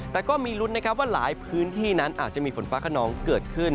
แต่ก็มีลุ้นนะครับว่าหลายพื้นที่นั้นอาจจะมีฝนฟ้าขนองเกิดขึ้น